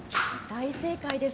大正解です。